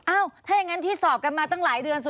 ถ้าอย่างนั้นที่สอบกันมาตั้งหลายเดือน